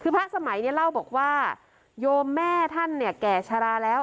คือพระสมัยเนี่ยเล่าบอกว่าโยมแม่ท่านเนี่ยแก่ชะลาแล้ว